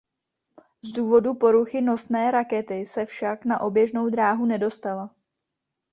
Z důvodu poruchy nosné rakety se však na oběžnou dráhu nedostala.